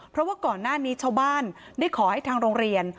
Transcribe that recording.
เพราะว่าก่อนหน้านี้ชาวบ้านได้ขอให้ทางโรงเรียน